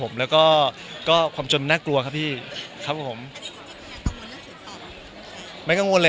แสดงว่าที่ท่านก็เต็มที่